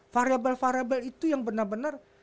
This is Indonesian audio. variabel variabel itu yang benar benar